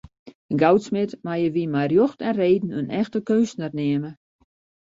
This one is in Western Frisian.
In goudsmid meie wy mei rjocht en reden in echte keunstner neame.